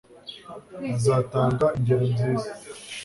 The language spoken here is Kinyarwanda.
Azatanga ingero nziza